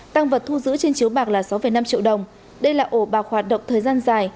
tăng vật thu giữ trên chiếu bạc là sáu năm triệu đồng đây là ổ bạc hoạt động thời gian dài